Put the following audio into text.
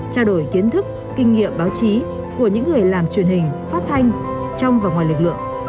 trao đổi kiến thức kinh nghiệm báo chí của những người làm truyền hình phát thanh trong và ngoài lực lượng